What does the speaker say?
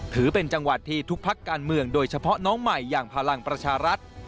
ถือเป็นจังหวัดที่ทุกพักการเมืองโดยเฉพาะน้องใหม่อย่างพลังประชารัฐ